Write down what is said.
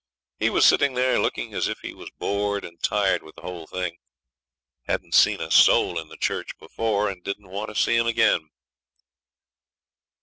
He was sitting there looking as if he was bored and tired with the whole thing hadn't seen a soul in the church before, and didn't want to see 'em again.